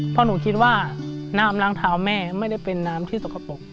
เพราะหนูคิดว่าน้ำล้างเท้าแม่ไม่ได้เป็นน้ำที่สกปรก